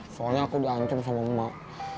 soalnya aku diancam sama emak